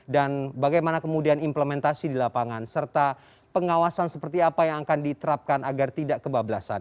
dan bagaimana kemudian implementasi di lapangan serta pengawasan seperti apa yang akan diterapkan agar tidak kebablasan